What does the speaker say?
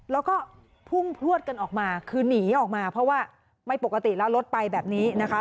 แล้วก็พุ่งพลวดกันออกมาคือหนีออกมาเพราะว่าไม่ปกติแล้วรถไปแบบนี้นะคะ